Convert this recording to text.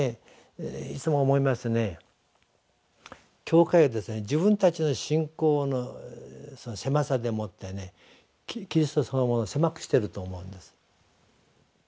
教会は自分たちの信仰の狭さでもってキリストそのものを狭くしてると思うんです。